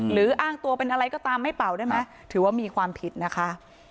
อ้างตัวเป็นอะไรก็ตามไม่เป่าได้ไหมถือว่ามีความผิดนะคะ